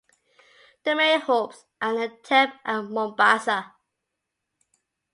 The main hubs are Entebbe and Mombasa.